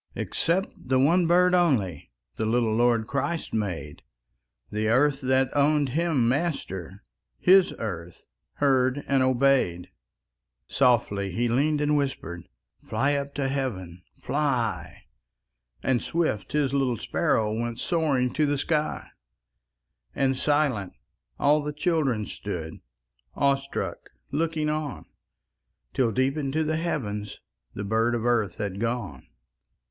Except the one bird only The little Lord Christ made; The earth that owned Him Master, His earth heard and obeyed. Softly He leaned and whispered: "Fly up to Heaven! Fly!" And swift, His little sparrow Went soaring to the sky, And silent, all the children Stood, awestruck, looking on, Till, deep into the heavens, The bird of earth had gone.